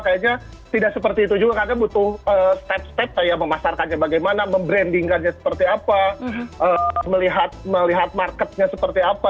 kayaknya tidak seperti itu juga karena butuh step step kayak memasarkannya bagaimana membrandingkannya seperti apa melihat marketnya seperti apa